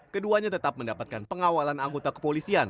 keduanya tetap mendapatkan pengawalan anggota kepolisian